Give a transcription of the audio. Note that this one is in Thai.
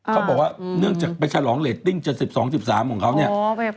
เขาบอกว่าเนื่องจากไปฉลองเรตติ้ง๗๒๑๓ของเขาเนี่ย